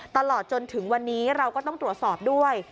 ตลอดจนถึงวันนี้เราก็ต้องตรวจสอบด้วย